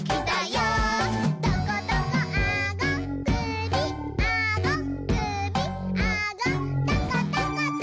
「トコトコあごくびあごくびあごトコトコト」